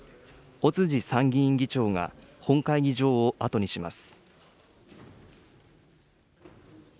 尾辻参議院議長が本会議場を後にします。